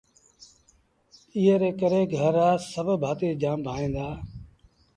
ايئي ري ڪري گھر رآ سڀ ڀآتيٚ جآم ڀائيٚݩ دآ